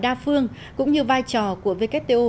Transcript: đa phương cũng như vai trò của vkto